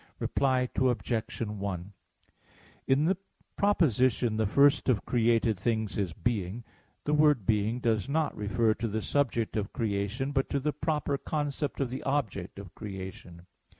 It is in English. Reply Obj. 1: In the proposition "the first of created things is being," the word "being" does not refer to the subject of creation, but to the proper concept of the object of creation.